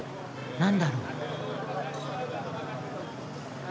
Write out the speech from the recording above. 何だろう？